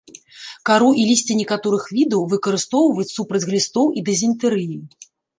Кару і лісце некаторых відаў выкарыстоўваюць супраць глістоў і дызентэрыі.